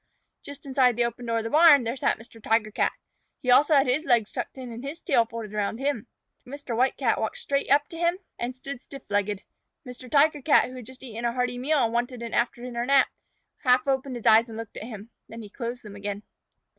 Just inside the open doorway of the barn, there sat Mr. Tiger Cat. He also had his legs tucked in and his tail folded around him. Mr. White Cat walked straight up to him and stood stiff legged. Mr. Tiger Cat, who had just eaten a hearty meal and wanted an after dinner nap, half opened his eyes and looked at him. Then he closed them again.